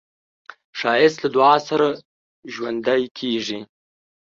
ښایست له دعا سره ژوندی کېږي